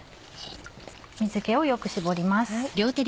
水気をよく絞ります。